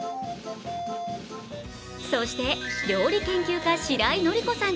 そして、料理研究家・しらいのりこさん